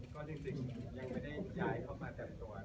ก็จริงยังไม่ได้ย้ายเข้ามาเต็มตัวนะครับ